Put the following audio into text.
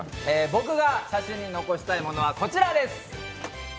僕が写真に残したいものはこちらです。